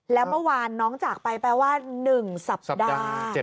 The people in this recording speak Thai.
แล้วเมื่อวานน้องจากไปแปลว่า๑สัปดาห์